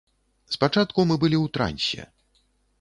Спачатку мы былі ў трансе.